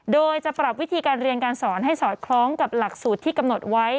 โดยจะปรับวิธีการเรียนการสอนให้สอดคล้องกับหลักสูตรที่กำหนดไว้